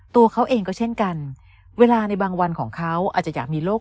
ตัวเขาเองก็เช่นกันเวลาในบางวันของเขาอาจจะอยากมีโรค